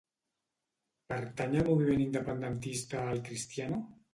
Pertany al moviment independentista el Cristiano?